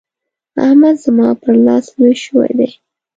احمد زما پر لاس لوی شوی دی.